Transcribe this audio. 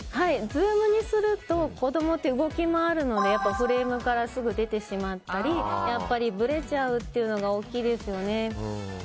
ズームにすると子供って動き回るのでフレームからすぐ出てしまったりやっぱりぶれちゃうのが大きいですよね。